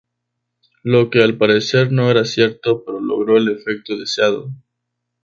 Lo que al parecer no era cierto, pero logró el efecto deseado.